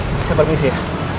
pak saya permisi ya